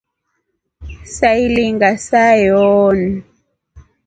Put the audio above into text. Sailinga saa yooyi.